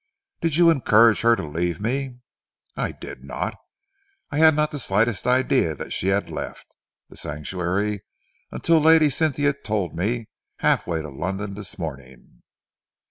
"Did you encourage her to leave me?" "I did not. I had not the slightest idea that she had left The Sanctuary until Lady Cynthia told me, halfway to London this morning."